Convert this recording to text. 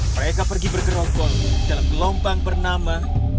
mereka pergi bergerongkol dalam gelombang bernama